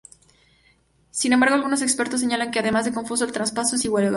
Sin embargo, algunos expertos señalan que, además de confuso, el traspaso es ilegal.